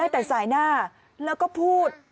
แต่สายหน้าแล้วก็พูด